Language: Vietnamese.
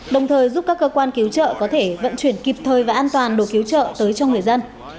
đồng thời giúp các cơ quan cứu trợ có thể vận chuyển kịp thời và an toàn đồ cứu trợ tới cho người dân